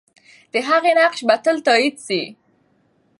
د هغې نقش به تل تایید سي.